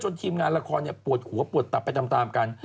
ทีมงานละครปวดหัวปวดตับไปตามกัน